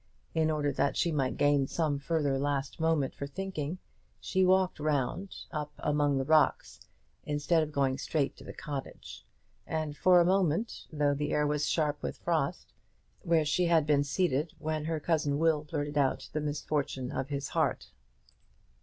In order that she might gain some further last moment for thinking, she walked round, up among the rocks, instead of going straight to the cottage; and for a moment, though the air was sharp with frost, she sat upon the stone where she had been seated when her cousin Will blurted out the misfortune of his heart.